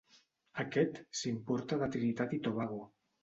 Aquest s'importa de Trinitat i Tobago.